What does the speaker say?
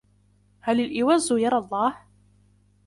هل الأوز يرىَ الله؟